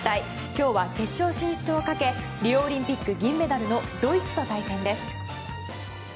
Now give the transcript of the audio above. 今日は決勝進出をかけリオオリンピック銀メダルのドイツと対戦です。